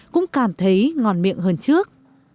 cũng cảm thấy ngon miệng hơn trước